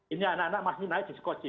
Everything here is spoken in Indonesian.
ini anak anak masing masing naik di sekoci